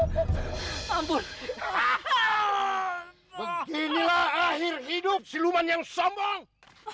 beginilah akhir hidup siluman yang sombong